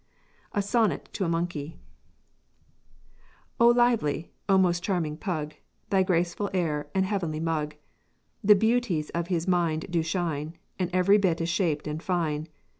SONNET TO A MONKEY O lively, O most charming pug: Thy graceful air and heavenly mug! The beauties of his mind do shine, And every bit is shaped and fine.